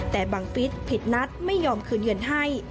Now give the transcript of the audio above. แต่บังฟิศผิดนัดไม่ยอมคืนเงินให้